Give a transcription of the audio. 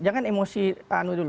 jangan emosi dulu